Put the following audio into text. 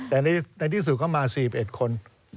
แต่ในที่สุดเข้ามา๔๑คน